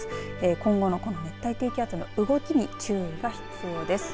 今後のこの熱帯低気圧の動きに注意が必要です。